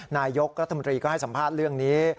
นายกรัฐมนตรีก็ให้สัมภาษณ์เรื่องนี้